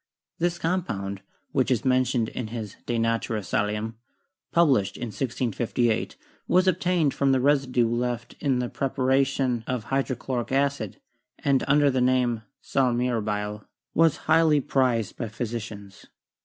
This compound, which is men tioned in his 'De Natura Salium,' published in 1658, was obtained from the residue left in the preparation of hy drochloric acid, and, under the name "sal mirabile," was prized highly by physicians.